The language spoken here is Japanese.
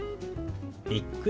「びっくり」。